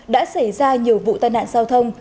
đã xảy ra nhiều vụ tai nạn giao thông